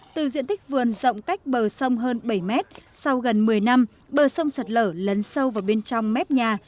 từ diện tích vườn rộng cách bờ sông hơn bảy mét sau gần một mươi năm bờ sông sạt lở lấn sâu vào bên trong mép nhà